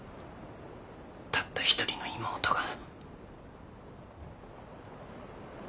たった１人の妹が。